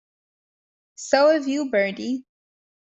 So have you, Bertie.